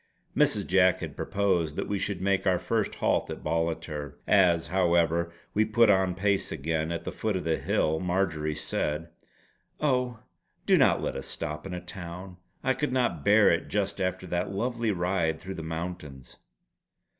Mrs. Jack had proposed that we should make our first halt at Ballater. As, however, we put on pace again at the foot of the hill Marjory said: "Oh do not let us stop in a town. I could not bear it just after that lovely ride through the mountains."